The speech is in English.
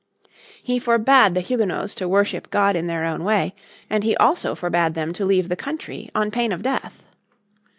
He forbade the Huguenots to worship God in their own way, and he also forbade them to leave the country on pain of death.